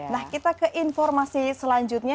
nah kita ke informasi selanjutnya